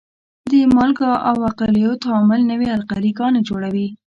د مالګو او القلیو تعامل نوې القلي ګانې جوړوي.